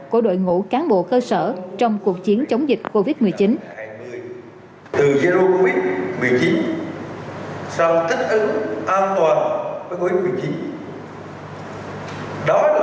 của đội ngũ cán bộ cơ sở trong cuộc chiến chống dịch covid một mươi chín